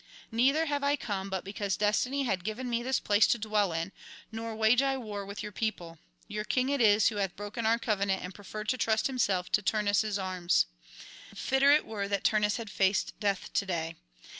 Neither have I come but because destiny had given me this place to dwell in; nor wage I war with your people; your king it is who hath broken our covenant and preferred to trust himself to Turnus' arms. Fitter it were Turnus had faced death to day.